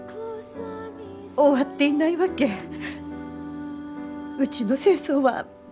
終わっていないわけうちの戦争は。